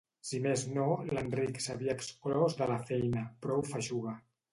Si més no, l'Enric s'havia exclòs de la feina, prou feixuga.